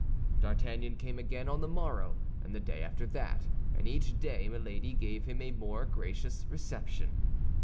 D'Artagnan came again on the morrow and the day after that, and each day Milady gave him a more gracious reception.